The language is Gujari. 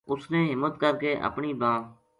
اس نے ہمت کر کے اپنی بانہہ